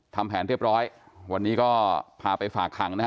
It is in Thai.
ทำแผนเรียบร้อยวันนี้ก็พาไปฝากขังนะฮะ